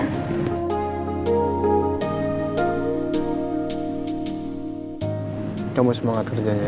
kita mau semangat kerjanya